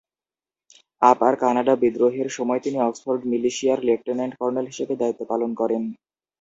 আপার Canada বিদ্রোহের সময় তিনি অক্সফোর্ড মিলিশিয়ায় লেফটেন্যান্ট কর্নেল হিসেবে দায়িত্ব পালন করেন।